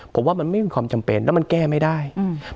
ผมว่ามันไม่มีความจำเป็นแล้วมันแก้ไม่ได้อืม